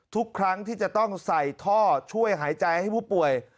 ทุกครั้งที่จะต้องใส่ท่อช่วยหายใจให้ผู้ป่วย